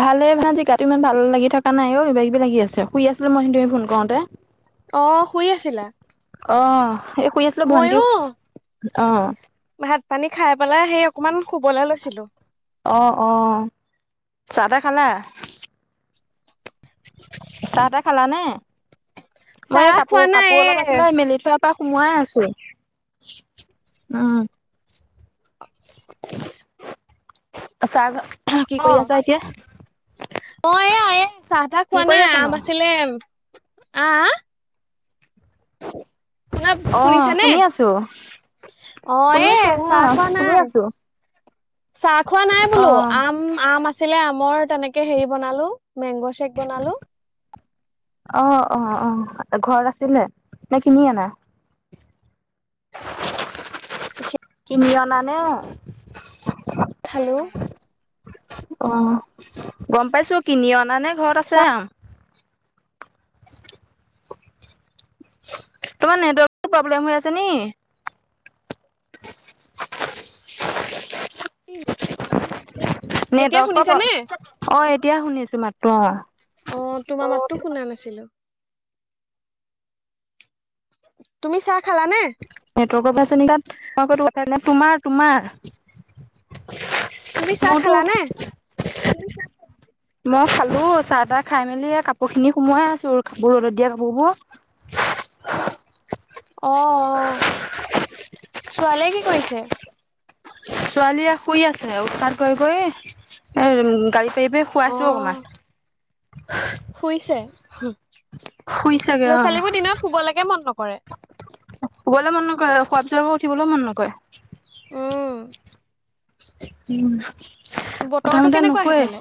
ভালে ভাল গাটো ইমান ভাল লাগি থকা নাই অ কিবা কিবি লাগি আছে শুই আছিলো মই ইহতি ফোন কৰোতে। অ শুই আছিলা অ এই শুই আছিলো ভন্টিও মইয়ো অ, ভাত পানী খাই পেলাই সেই অকমান শুবলে লৈছিলো। অ অ চাহ তাহ খালা। চাহ তাহ খালা নে মই এই চাহ খোৱা কাপোৰ নাই কাপোৰ এ অলপ আছিলে মেলি থোৱা। পা সোমোৱাই আছো উ চাগ অ অ এয়া এ চাহ তাহ কি খোৱা কৰি নাই আম আছানো আছিলে। আ আ, শুনা অ শুনিছানে শুনি আছো। অ শুনি এ আছো অ চাহ খোৱা শুনি নাই আছো। চাহ খোৱা নাই অ বোলো আম আম আছে, আছিলে আমৰ তেনেকে হেৰি বনালো মেংগ চেক বনালো। অ অ অ ঘৰত আছিলে নে কিনি আনা। কিনি অনানে। খালো। অ গম পাইছো কিনি অনা নে ঘৰত আছে আম। তোমাৰ নেটৱৰ্ক টো প্ৰব্লেম হৈ আছে নি। [inaudible] কি জানো। নেটৱৰ্ক প্ৰবলেম অ এতিয়া শুনিছো মাতটো অ, অ তোমাৰ মাততো শুনা নাছিলো। তুমি চাহ খালা নে। নেটৱৰ্কৰ পৰা [unintelligible] তোমাৰ তোমাৰ। তুমি চাহ খালানে মনটো, মই খালো চাহ তাহ খাই মেলি কাপোৰ খিনি সোমোৱাই আছো কাপোৰ ৰ'দত দিয়া কাপোৰবোৰ। অ অ ছোৱালীয়ে কি কৰিছে। ছোৱালীয়ে শুই আছে উতপাত কৰি কৰি এ গালি পাৰি পাৰি অ শুৱাইছো অকমান। শুইছে হু। শুইছেগে ল অ', ছালীবো দিনত শুব লেক কে মন নকৰে। শুবলৈ মন নকৰে খোৱা পিছত আকৌ উঠিবলৈও মন নকএ। উ উ বতৰটো কথামতে কেনেকুৱা নুশুৱে সেইফালে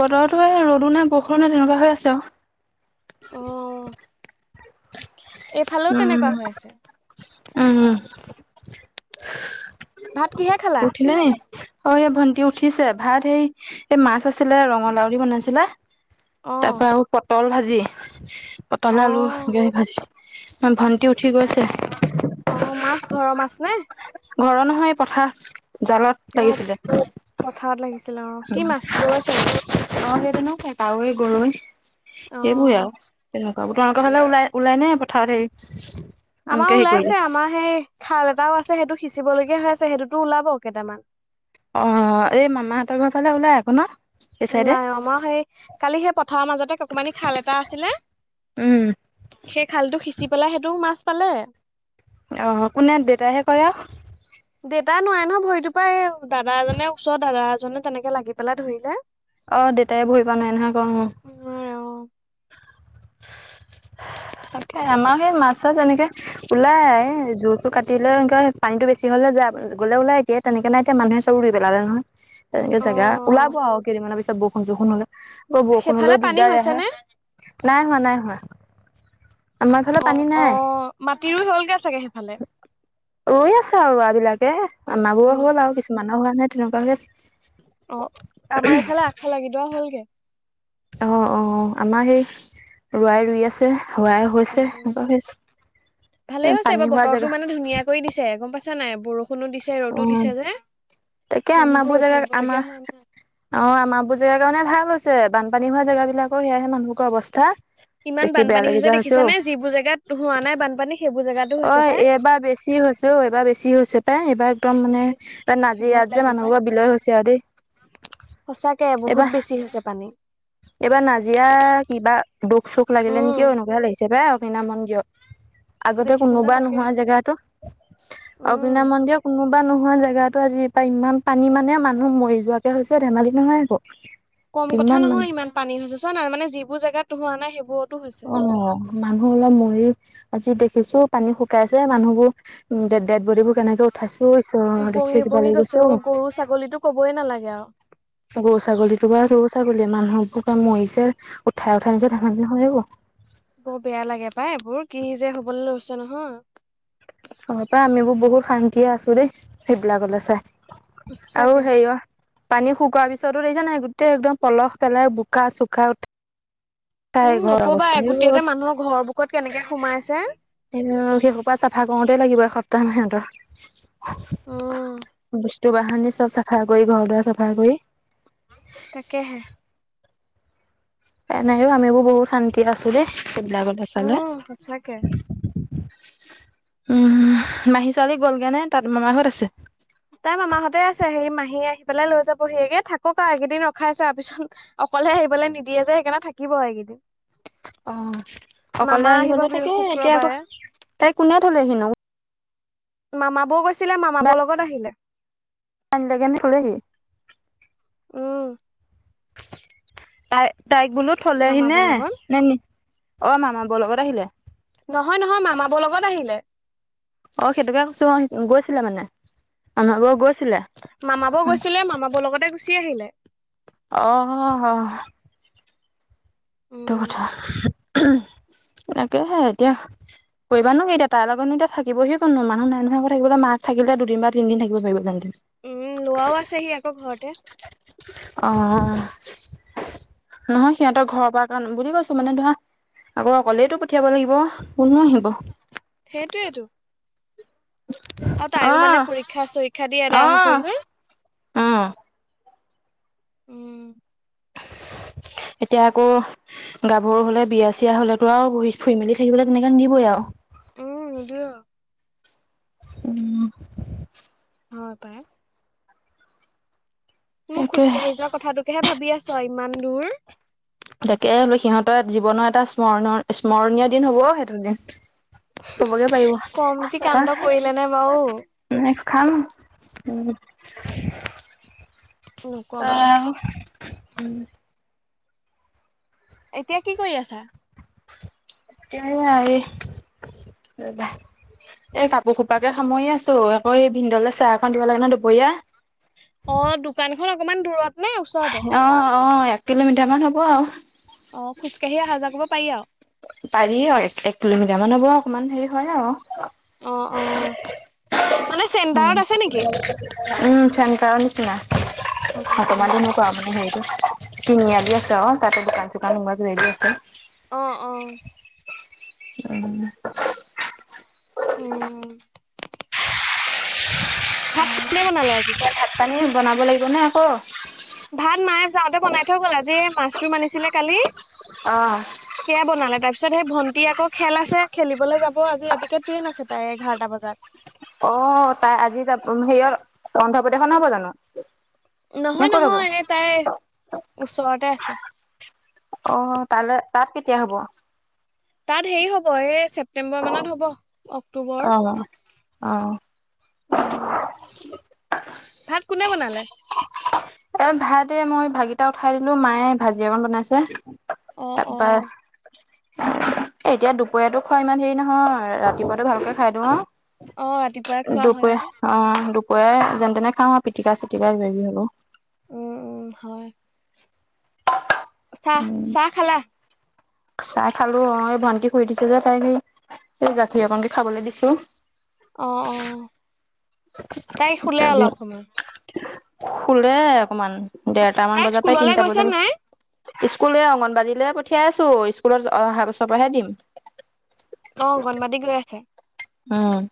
বতৰতো এই ৰ'দো নাই বৰষো নাই তেনেকুৱা হৈ আছে আও। অ', এইফালেও উম, তেনেকুৱা হৈ আছে। উম। ভাত কিহে খালা উঠেলি নি? অ', এ ভণ্টি উঠিছে ভাত সেই এ, মাছ আছিলে ৰঙলাউ দি বনাছিলে অ তা পা আও পটল ভাজি পটলে অ আলু গে ভাজি ম ভণ্টি উঠি গৈছে। অ', মাছ ঘৰ মাছ নে? ঘৰ নহয় এ, পথাৰ জালত লাগিছিলে। পথাঅত লাগিছিলে অ', কি মাছ গৰৈ, চেঙেলি? অ', সেইটো নো [unintelligible] কাৱৈ, গৰৈ অ এইবোএ আও। [unintelligible] বাবু তোমালোক ফালে ওলাই ওলাই নে পথাৰত হেই আমা ওলাইছে আমা সেই খাল এটাও আছে সেইটো সিঁচিবলগীয়া হৈ আছে সেইটোতো ওলাব কেটামান। অ', এই মামাহঁত ঘ ফালে ওলাই আকৌ ন এই চাইডে? লাই অ', মা সেই কালি সেই পথাঅ মাজতে ককমানি খাল এটা আছিলে- উম। সেই খালটো সিঁচি পেলাই সেইটোও মাছ পালে। অ', কোনে দেতাই হে কৰে আও? দেতাই নোৱায়ে [unintelligible] নহ ভৰিটো পা এই দাদা এজনে ওচঅ দাদা এজনে তেনেকে লাগি পেলাই ধৰিলে। অ', দেতাই বহিব নোআএ নহয় [unintelligible] নোৱাৰে অ', তাকে আমা সেই মাছ চাছ এনেকে ওলাই জো চো কাটিলে এংকুৱা পানীটো বেছি হ'লে যায় [unintelligible] গ'লে ওলাই এতিয়া তেনেকে নাই এতিয়া মানুহে চব ৰুই পেলালে নহয়। তেনেকে জেগা অ', ওলাব আও কেইদিনমান পিছ বঅষুণ চঅষুণ হ'লে ব বঅষুণ সেইফালে হ'লেও পানী দিগদাৰ হৈছে এআহে নে? নাই হোৱা নাই হোৱা। আমাৰ ফালে পানী অ', নাই অ', মাটি ৰুই হ'লগে চাগে সেইফালে? ৰুই আছে আও ৰুৱা বিলাকে আমাবোঅ উম, হ'ল আও কিছুমান হোৱা নাই তেনেকুৱা হৈ আছে। অ', আমা এইফালে আগ ফাল গিদৱা হ'লগে। অ', অ', আমা সেই ৰুৱাই ৰুই আছে হোৱাই হৈ হৈছে ভালেই [unintelligible] এ, পানী হোৱা জেগা কই দিছে গম পাছা নাই বৰষুণো দিছে ৰ'দো অ দিছে যে তাকে আমা মানুহবোৰ বো ৰৈ জেগাত থাকিবলগীয়া আমাস হোৱা নাই। অ', আমা বো জেগা কাৰণে ভাল হছে বানপানী হোৱা জেগা বিলাকৰ সেয়াহে মানুহবোক অৱস্থা। ইমান দেখি বেয়া বানপানী লাগি হৈছে যোৱা দেখিছা অ নে যিবো জেগাত হোৱা নাই বানপানী সেইবোৰ জেগাতো অ হৈছে পাই। [unintelligible] বেছি হৈছে অঔ এইবা বেছি হৈছে পাই এইবা একদম মানে [unintelligible] যি ভয় ইয়াত যে লাগে পাই মানুহবোক বিলয় হছে আও দেই। সঁচাকে বহুত এইবা বেছি হৈছে পানী এইবা নাজিৰা কিবা দুখ চুখ লাগিলে উম। নিকি অ', এনুকুৱাহে লাইছে পাই অগ্নিনাভ মন্দিয় আগতে দেখিছানে কোনোবা তাকে নোহোৱা জেগা এটো উম অগ্নিনাভ মন্দিঅ কোনোবা নোহোৱা জেগাতো আজি বা ইমান পানী মানে মানুহ মৰি যোৱাকে হৈছে ধেমালি নহয় আকৌ। কম কথা ইমান মানুহ নহয় ইমান পানী হৈছে চোৱা না মানে যিবোৰ জেগাত হোৱা নাই সেইবোৰত অ', মানুহ অলপ মৰি আজি দেখিছো পানী শুকাইছে, মানুহবোৰ উ, ডেড বডিবোৰ কেনেকে [unintelligible] উপঙি দেখিয়ে কিবা উপঙি লাগি গৈছে অ'। গৰু ছাগলীতো কবই নালাগে আৰু গৰু ছাগলীতো বা গৰু ছাগলীয়ে, মানুহবোৰ মৰিছে উঠাই উঠাই নিছে [unintelligible] বৰ বেয়া লাগে পাই এইবোৰ, কি যে হবলৈ লৈছে নহয়। হয় পাই আমিবোৰ বহুত শান্তিয়ে আছো দেই সেইবিলাকলৈ চাই সঁচাকে আৰু হেৰিয় পানী শুকোৱাৰ পিছতো দেখিছে নাই, গোটেই একদম পলহ পেলাই বোকা চুকা উঠ উম, নকবাই আইঐ। গোটেই যে মানুহৰ ঘৰ বুকত কেনেকে সোমাইছে। এ সেইহোপা চাফা কৰোতেই লাগিব এসপ্তাহ সিহঁতৰ উম [unintelligible] চব চাফা কৰি, ঘৰ দুৱাৰ চাফা কৰি। তাকেহে। এনেকেও আমিবোৰ বহুত শান্তিত আছো দেই সেইবিলাকতে চালে। উম সঁচাকে উম, মাহী ছোৱালী গ'লগেনে তাত মামাৰ ঘৰত আছে? তাই মামা ঘৰতে আছে, সেই মাহী আহি পেলাই লৈ যাবহি, থাকক আৰু এইকেইদিন ৰখাইচো আৰু পিছত অকলে আহিবলৈ নিদিয়ে যে সেইকাৰণে থাকিব এইকেইদিন। অ', অকলে মামা আহিব আহিবলে বৃহ তাকে, এতিয়া আকৌ শুক্ৰবাৰে তাই কোনে থলেহি নো? মামা বৌ গৈছিলে, মামা বৌ লগত আহিলে। অনিলেগে নে। [unintelligible] উম। তাই-তাইক বোলো থলেহি মামা নে, বৌৰ লগত নে, অ', মামা বৌৰ লগত আহিলে। নহয় নহয়, মামা বৌৰ লগত আহিলে। অ', সেইটোকে কৈছো, গৈছিলে মানে মামা বৌ গৈছিলে। মামা বৌ গৈছিলে, মামা বৌৰ লগতে গুচি আহিলে। অহ। সটো উম কথা [unintelligible] এতিয়া কৰিবানো কি এতিয়া, তাইৰ লগতনো এতিয়া থাকিবহি কোন, মানুহ নাই নহয় আকৌ থাকিবলৈ। মাক থাকিলে হে দুদিন বা তিনদিন থাকিব পাৰিব। [unintelligible] উম, লোৱাও আছেহি আকৌ ঘৰতে। অ', নহয় সিহঁতৰ ঘৰৰ পৰা বুলি কৈছো মানে ধৰা, আকৌ অকলেইটো পঠিয়াব লাগিব কোননো আহিব। সেইটোৱেইতো। আৰু তাইও মানে আহ পৰীক্ষা চৰীক্ষা দি এদায় হৈছে যে। উম। উম এতিয়া আকৌ গাভৰু হলে, বিয়া চিয়া হলেতো আৰু ফুৰি মেলি থাকিবলৈ তেনেকা নিদিবই আৰু। [unintelligible] উম। হয় পায়। মোক খোজ সেইটোৱে কাঢ়ি যোৱা কথাটোকেহে ভাবি আছো ইমান দূৰ। তাকে হলো সিহঁতৰ জীৱনৰ এটা স্মৰণৰ-স্মৰণীয় দিন হ'ব সেইটো দিন। হবগে পাৰিব। কমটি কাণ্ড কৰিলে নে বাৰু [unintelligible] খাম উম। নকবা [unintelligible] এতিয়া কি কৰি আছা? এতিয়া এইয়া এ, ৰ'বা। এই কাপোৰ খোপাকে সামৰি আছো, আকৌ এই ভিন্দলে চাহ এখন দিব লাগে ন দুপৰীয়া। অ', দোকানখন অকমান দূৰত নে ওচৰত? অ', অ', এক কিলোমিটাৰ মান হ'ব আৰু। অ', খোজ কঢ়ি আহা যোৱা কৰিব পাৰি আৰু? পাৰি অ' এক কিলোমিটাৰ মানৰ পৰা অকমান হেৰি হয় আৰু। অ', অ', মানে উম চেণ্টাৰত আছে নেকি? উম, চেণ্টাৰৰ নিচিনা উম। বৰ্তমান [unintelligible] কৰা মানে সেইটো। তিনিআলি আছে আৰু তাতে দোকান চোকান [unintelligible] আছে। অ', অ'। উম। উম। ভাত কোনে বনালে আজি? ভাত পানী বনাব লাগিব নে আকৌ? ভাত মায়ে যাওঁতে বনাই থৈ গ'ল আজি মাছৰুম আনিছিলে কালি। অ'। সেয়া বনালে। তাৰপিছত সেই ভণ্টি আকৌ খেল আছে খেলিবলৈ যাব আজি ৰাতিকে ট্ৰেইন আছে তাই এঘাৰটা বজাত। অ', তাই আজি যাব হেৰিয়ত অন্ধ্ৰপ্ৰদেশ নহ'ব জানো? নে নহয় ক'ত হ'ব নহয় এই তাই ওচৰতে আছে। অ', তালে তাত কেতিয়া হ'ব? তাত হেৰি হ'ব এই ছেপ্তেম্বৰ মানত হ'ব অ অক্টোবৰ। অ উম, ভাত কোনে বনালে? এ ভাত এই মই ভাতকিটা উঠাই দিলো মায়ে ভাজি অকন বনাইছে। অ', তাৰপা অ', এতিয়া দুপৰীয়াটো খোৱা ইমান হেৰি নহয় ৰাতিপুৱাটো ভালকে খাই দিওঁ আৰু। অ', ৰাতিপুৱাই খোৱা হয় আৰু। দুপৰীয়া অ' দুপৰীয়া যেনে তেনে খাওঁ আৰু পিটিকা চিটিকা কিবা কিবি হ'লেও। উম, উম, হয়। চাহ উম চাহ খালা? চাহ খালো অ' এই ভান্টি শুই উঠিছে যে তাই এই গাখীৰ অকনকে খাবলৈ দিছো। অ', অ', তাই শুলে অলপ সময়? শুলে অকমান ডেৰটামান তাই বজাৰ পাই স্কুললৈ তিনটা গৈছে নাই বজালৈ স্কুলে এই অংগনবাদীলে পঠিয়াই আছো স্কুলত অহা বছৰ পৰাহে দিম। অ', অংগনবাদিক গৈ আছে? উম।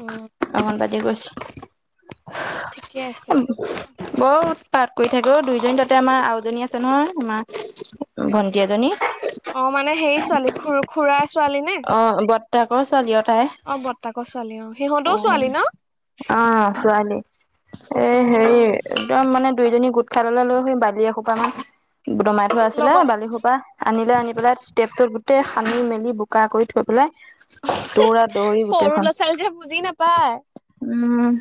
উম। অংগনবাদি গৈছে। ঠিকে আছে। বৰ উৎপাত কৰি থাকে অ' দুইজনী তাতে আমাৰ আৰু এজনী আছে নহয় আমাৰ। ভণ্টি এজনী। অ', মানে সেই ছোৱালী খু খুৰাৰ ছোৱালী নে? অ', বৰ্তাকৰ ছোৱালী আৰু তাই। অ', বৰ্তাকৰ ছোৱালী অ' সিহঁতও ছোৱালী ন? অ', ছোৱালী। এ হেৰি অ'। একদম মানে দুইজনী গোট খাই ল'লে লৈ সৈ বালি এসোপা মান দমাই থোৱা আছিলে লগত বালিসোপা আনিলে আনি পেলাই ষ্টেপটোত গোটেই সানি মেলি বোকা কৰি থৈ পেলাই দৌৰা দৌৰি সৰু গোটেইখন ল'ৰা ছোৱালী যে বুজি উম।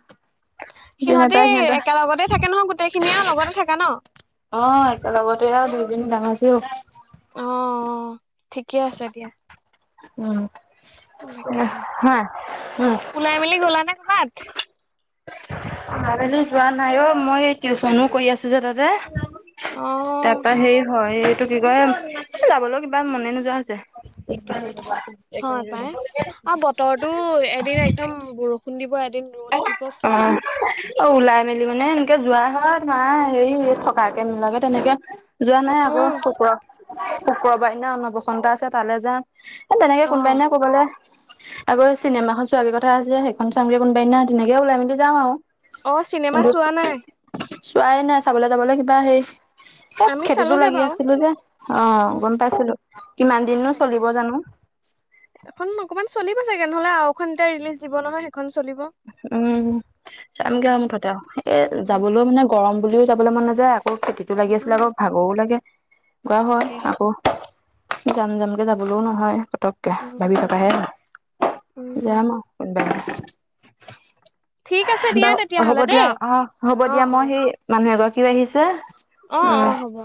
বুজি সিহণতি নাপায় সিহঁতৰ একেলগতে থাকে নহয় গোটেইখিনি আৰু লগতে থাকে ন। অঁ, একেলগতে আৰু দুইজনী ডাঙৰ হৈছিলোঁ। অঁ, অ ঠিকে আছে দিয়া। উম, তাকেহে হয় উম। ওলাই মেলি গ'লা নে কৰবাত? ওলাই মেলি যোৱা নাই অ মই এই টিউচনো কৰি আছো যে তাতে। অ তাৰপা সেই হয়। এই টো কি কয়? এই যাবলোও কিবা মনে নোযোৱা হৈছে। হয় পাই আও বতৰটো এদিন একদম বৰষুণ দিব, এদিন ৰ'দ দিব কিনো অঁ। অ ওলাই মেলি মানে এনেকে যোৱা হোৱা নাই। হেৰি থকাকে নোলোৱাকে তেনেকে যোৱা নাই অ আক'। শুক্ৰ শুক্ৰবাৰ দিনাখন অন্নপ্ৰসন্ন এটা আছে তালে যাম। এ তেনেকে অ কোনোবাদিনা ক'বালে গৈ চিনেমা এখন চোৱাগে কথা আছে। সেইখন চামগে কোনোবাদিনা তেনেকে ওলাই মেলি যাওঁ আও। অঁ, চিনেমা চোৱা নাই। চোৱাই নাই। চাবলে যাবলে কিবা সেই এহ্ আমি খেতিতো চালোগে লাগি বাৰু আছিলো যে। অঁ, উম। গম পাইছিলোঁ। কিমান দিননো তাকে চলিব জানো? এখন অকনমান চলিব চাগে? নহলে আৰু এখন এতিয়া ৰিলিজ দিব নহয়। সেইখন চলিব। উম, চামগে উম আৰু মুঠতে আৰু এ উম যাবলো মানে গৰম বুলিও যাবলে মন নাযায় আকৌ খেতিটো লাগি আছিলো উম, আকৌ ভাগৰো লাগে। কৰা হয় তাকেহে আকৌ যাম যামকে যাবলো নহয় পতক কে উম ভাবি উম থকাহে হয় আৰু উম। যাম আও কোনবা এদিনা। ঠিক আছে হাহ্, দিয়া বাও হ'ব তেতিয়াহ'লে দেই দিয়া। অঁ, হ'ব অ দিয়া অ মই সেই মানুহ এগৰাকীও আহিছে। অঁ, উম অঁ হ'ব, অ।